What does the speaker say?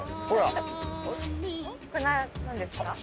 これなんですか？